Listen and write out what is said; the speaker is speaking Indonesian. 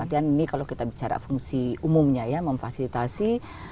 artian ini kalau kita bicara fungsi umumnya ya memfasilitasi